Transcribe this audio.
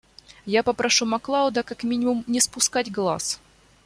Я попрошу Маклауда как минимум не спускать глаз.